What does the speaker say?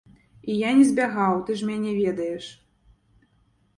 І я не збягаў, ты ж мяне ведаеш.